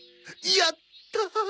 やったあ！